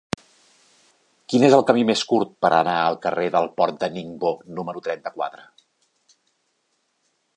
Quin és el camí més curt per anar al carrer del Port de Ningbo número trenta-quatre?